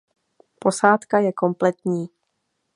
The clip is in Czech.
Posádka je kompletní.